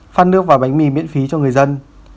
phát nước và bánh mì miễn phí cho người dân